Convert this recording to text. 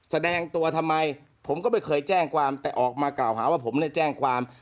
แสดงตัวทำไมผมก็ไม่เคยแจ้งความแต่ออกมากล่าวหาว่าผมเนี่ยแจ้งความ